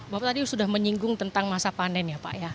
bapak tadi sudah menyinggung tentang masa panen ya pak ya